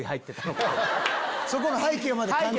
そこの背景まで感じてほしい？